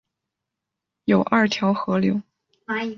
有二条河流